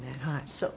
そう。